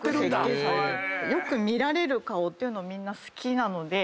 よく見られる顔っていうのみんな好きなので。